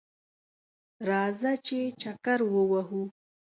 راځه ! چې چکر ووهو